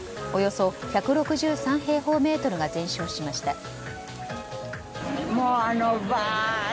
およそ１６３平方メートルが全焼しました。